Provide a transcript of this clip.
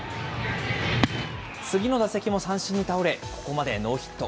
次の打席も三振に倒れ、ここまでノーヒット。